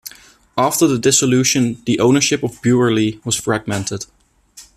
After the Dissolution the ownership of Bewerley was fragmented.